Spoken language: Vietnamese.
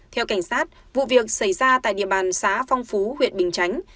theo cảnh sát vụ việc xảy ra tại địa bàn xã phong phú huyện bình chánh